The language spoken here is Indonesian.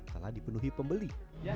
telah dipenuhi pembeli